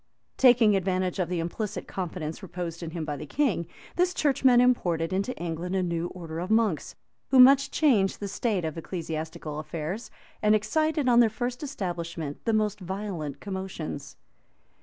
Taking advantage of the implicit confidence reposed in him by the king, this churchman imported into England a new order of monks, who much changed the state of ecclesiastical affairs, and excited, on their first establishment, the most violent commotions.